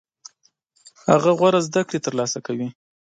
هغوی غوره زده کړې ترلاسه کوي.